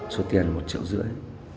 số tiền là một triệu rưỡi